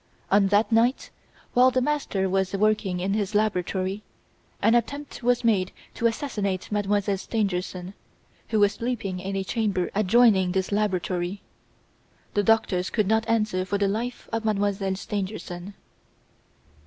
On that night, while the master was working in his laboratory, an attempt was made to assassinate Mademoiselle Stangerson, who was sleeping in a chamber adjoining this laboratory. The doctors do not answer for the life of Mdlle. Stangerson."